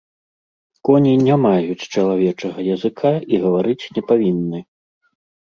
Коні не маюць чалавечага языка і гаварыць не павінны!